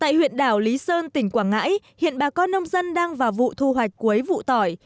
tại huyện đảo lý sơn tỉnh quảng ngãi hiện bà con nông dân đang vào vụ thu hoạch cuối vụ tỏi